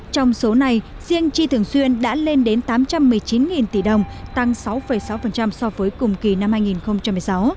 trong số này riêng chi thường xuyên đã lên đến tám trăm một mươi chín tỷ đồng tăng sáu sáu so với cùng kỳ năm hai nghìn một mươi sáu